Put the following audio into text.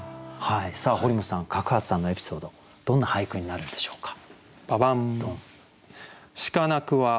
堀本さん角幡さんのエピソードどんな俳句になるんでしょうか？